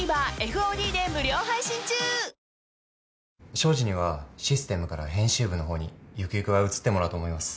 東海林にはシステムから編集部の方にゆくゆくは移ってもらおうと思います。